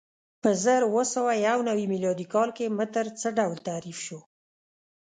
په زر اووه سوه یو نوې میلادي کال کې متر څه ډول تعریف شو؟